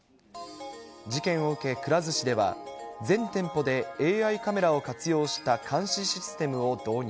事件を受け、くら寿司では全店舗でＡＩカメラを活用した監視システムを導入。